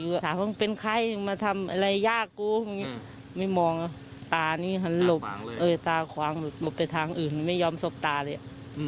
ว่าผมเป็นใครมาทำอะไรหยากกูไม่มองตานี่หันหลบตาคว้างบอกไปทางอื่นไม่ยอมสบตาเลย